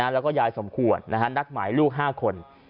แล้วก็ยายสมควรนัดหมายลูก๕คน